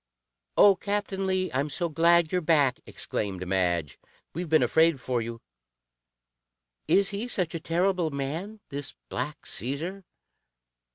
"Oh, Captain Lee, I'm so glad you're back!" exclaimed Madge. "We've been afraid for you. Is he such a terrible man, this Black Caesar?"